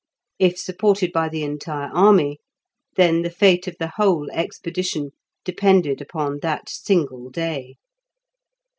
If supported by the entire army, then the fate of the whole expedition depended upon that single day.